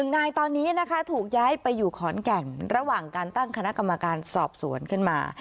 นายตอนนี้นะคะถูกย้ายไปอยู่ขอนแก่นระหว่างการตั้งคณะกรรมการสอบสวนขึ้นมา